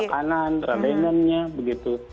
ruangan makanan linen nya begitu